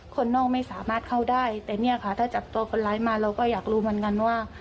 คนนอกไม่สามารถเข้าได้แต่เนี่ยค่ะถ้าจับตัวคนร้ายมาเราก็อยากรู้เหมือนกันว่า